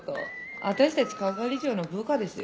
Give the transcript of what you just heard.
私たち係長の部下ですよ。